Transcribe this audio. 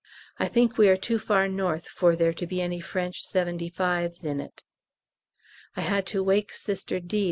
I think we are too far N. for there to be any French 75's in it. I had to wake Sister D.